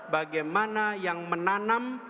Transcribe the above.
bagaimana yang menanam